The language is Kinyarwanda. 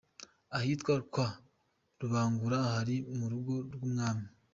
Ahitwa kwa Rubangura hari mu rugo rw’umwami.